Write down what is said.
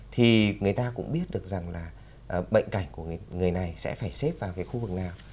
thì người ta cũng biết được rằng là bệnh cảnh của người này sẽ phải xếp vào cái khu vực nào